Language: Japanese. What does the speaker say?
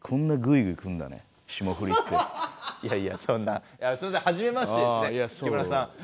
いやいやそんなあすいませんはじめましてですね木村さん。